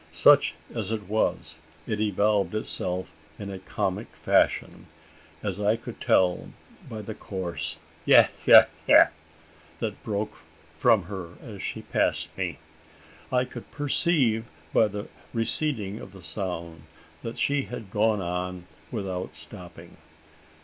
Such as it was, it evolved itself in a comic fashion as I could tell by the coarse "Yah, yah, yah!" that broke from her as she passed me. I could perceive by the receding of the sound, that she had gone on without stopping.